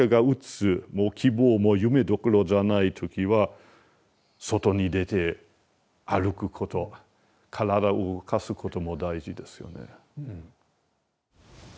もう希望も夢どころじゃない時は外に出て歩くこと体を動かすことも大事ですよね。